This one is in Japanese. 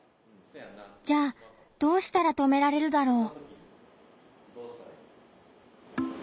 じゃあどうしたら止められるだろう？